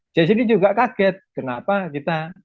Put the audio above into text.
saya sendiri juga kaget kenapa kita